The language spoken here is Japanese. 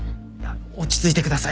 落ち着いてください。